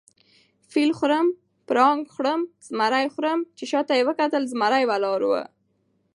فیل خورم، پړانګ خورم، زمرى خورم . چې شاته یې وکتل زمرى ولاړ وو